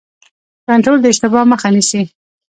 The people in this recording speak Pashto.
کنټرول د اشتباه مخه نیسي